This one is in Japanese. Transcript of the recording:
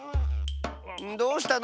どうしたの？